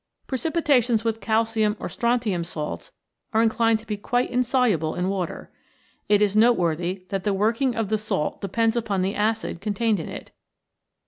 Precipitations with calcium or strontium salts are inclined to be quite insoluble in water. It is noteworthy that the working of the salt depends upon the acid contained in it.